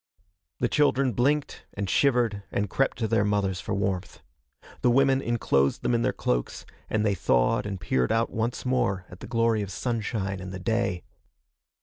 The children blinked and shivered and crept to their mothers for warmth. The women enclosed them in their cloaks, and they thawed and peered out once more at the glory of sunshine and the day.